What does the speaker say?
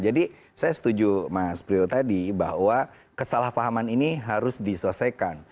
jadi saya setuju mas priyo tadi bahwa kesalahpahaman ini harus diselesaikan